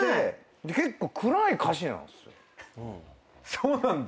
そうなんだ。